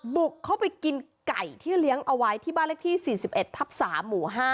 บุกเข้าไปกินไก่ที่เลี้ยงเอาไว้ที่บ้านเลขที่๔๑ทับ๓หมู่๕